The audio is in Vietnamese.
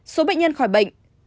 số bệnh nhân khỏi bệnh